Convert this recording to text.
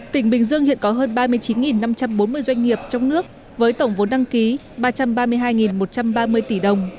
tỉnh bình dương hiện có hơn ba mươi chín năm trăm bốn mươi doanh nghiệp trong nước với tổng vốn đăng ký ba trăm ba mươi hai một trăm ba mươi tỷ đồng